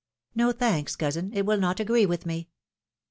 ^^No; thanks, cousin, it will not agree with me.